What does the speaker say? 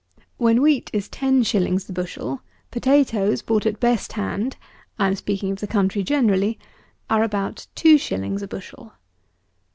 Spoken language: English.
When wheat is ten shillings the bushel, potatoes, bought at best hand, (I am speaking of the country generally,) are about two shillings (English) a bushel.